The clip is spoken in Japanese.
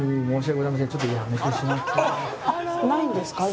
ないんですか今。